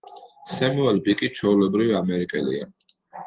სემუელ ბიკი ჩვეულებრივი ამერიკელია.